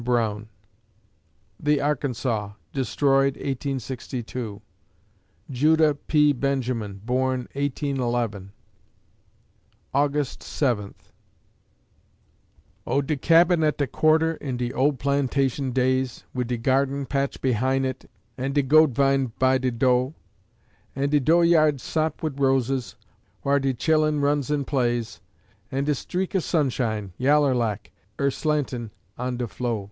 BROWN The "Arkansas" destroyed, 1862 Judah P. Benjamin born, 1811 August Seventh Oh, de cabin at de quarter in de old plantation days, Wid de garden patch behin' it an' de gode vine by de do', An' de do' yard sot wid roses, whar de chillun runs and plays, An' de streak o' sunshine, yaller lak, er slantin' on de flo'!